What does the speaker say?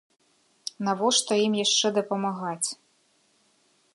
Навошта ім яшчэ дапамагаць!